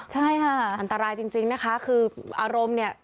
ใช่ค่ะอันตรายจริงนะคะคืออารมณ์เนี่ย